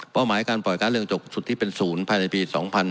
เป้าหมายการปล่อยการเลือกจกสุดที่เป็นศูนย์ภายในปี๒๖๐๘